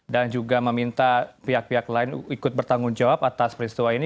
dan juga meminta pihak pihak lain ikut bertanggung jawab atas peristiwa ini